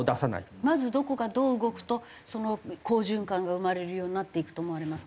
まずどこがどう動くとその好循環が生まれるようになっていくと思われますか？